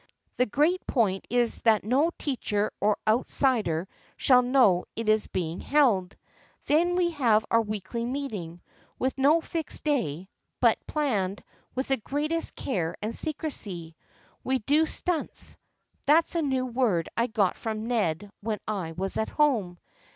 The great point is that no teacher or out sider shall know it is being held. Then we have our weekly meeting, with no fixed day but THE FRIENDSHIP OF ANNE 43 planned with the greatest care and secrecy. We do stunts — that's a new word I got from Ned when I was at home.